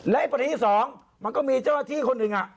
และประเด็นที่สองมันก็มีเจ้าหน้าที่คนหนึ่ง